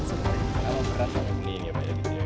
kalau beras ini yang banyak di sini